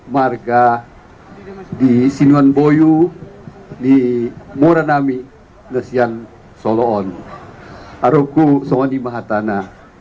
marga di sinuan boyu di mora nami lesian soloon arokku sohani mahatana